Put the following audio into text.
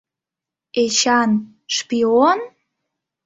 — Эчан — шпион?